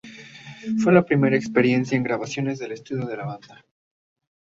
Fue la primera experiencia en grabaciones de estudio de la banda.